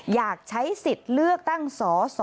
อยากใช้สิทธิ์เลือกตั้งสส